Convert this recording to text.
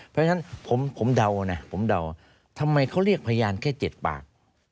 เพราะฉะนั้นผมเดานะผมเดาทำไมเขาเรียกพยานแค่๗ปาก